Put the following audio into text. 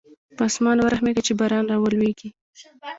په اسمان ورحمېږه چې باران راولېږي.